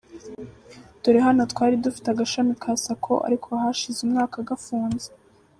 Dore hano twari dufite agashami ka Sacco ariko hashize umwaka gafunze.